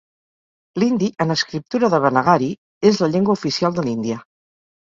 L'hindi en escriptura devanagari és la llengua oficial de l'Índia.